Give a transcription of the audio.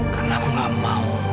karena aku gak mau